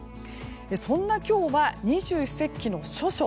そんな今日は二十四節気の処暑。